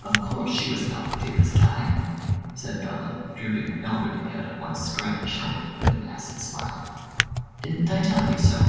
"Of course she was not, dearest Di," said Bella, drooping her elderly head on one scraggy shoulder, with an acid smile. "Didn't I tell you so?